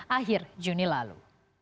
akhir juni lalu